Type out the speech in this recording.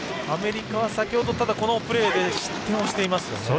アメリカは先ほど、このプレーで失点をしています。